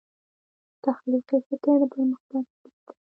تخلیقي فکر د پرمختګ کلي دی.